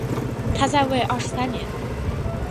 他在位二十三年。